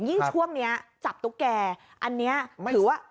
ยิ่งช่วงนี้จับตุ๊กแกอันนี้ถือว่า